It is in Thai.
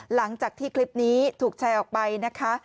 หลังจากที่คลิปนี้ถูกแชร์ออกไปนะคะ